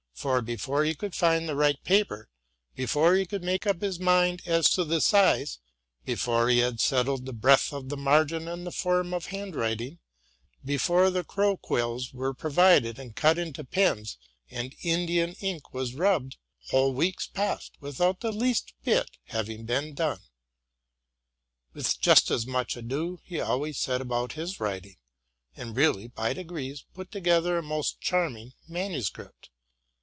For before he could find the right paper, before he could make up his mind as to the size, before he had settled the breadth of the margin and the form of handwriting, before the crow quills were pro vided and cut into pens, and Indian ink was rubbed, whole weeks passed, without the least bit having been done. With just as much ado he always set about his writing, and really, by degrees, put together a most charming manuscript.